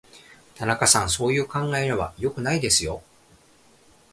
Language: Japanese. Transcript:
田中さん、そういう考え方は良くないですよ。